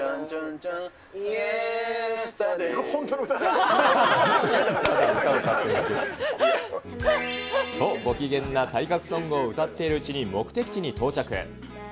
これ、と、ご機嫌な体格ソングを歌っているうちに目的地に到着。